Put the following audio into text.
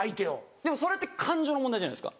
でもそれって感情の問題じゃないですか。